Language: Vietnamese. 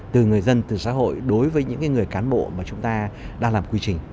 từ người dân từ xã hội đối với những người cán bộ mà chúng ta đang làm quy trình